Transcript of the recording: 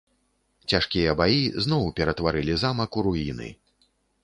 Цяжкія баі зноў ператварылі замак у руіны.